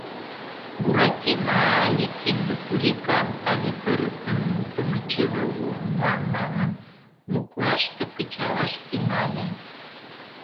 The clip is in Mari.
Буратино але кинде курикам, але пырысын нултымо чыве луым муам манын, луклаште кычалаш тӱҥале.